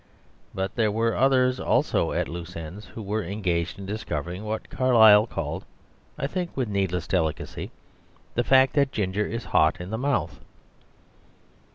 But there were others also at loose ends who were engaged in discovering what Carlyle called (I think with needless delicacy) the fact that ginger is hot in the mouth.